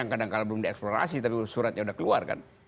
kadang kadang belum dieksplorasi tapi suratnya sudah keluar kan